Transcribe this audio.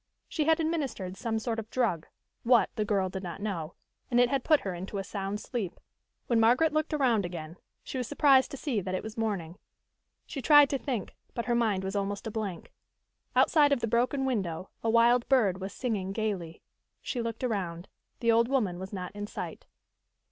She had administered some sort of drug what, the girl did not know and it had put her into a sound sleep. When Margaret looked around again, she was surprised to see that it was morning. She tried to think, but her mind was almost a blank. Outside of the broken window a wild bird was singing gayly. She looked around. The old woman was not in sight.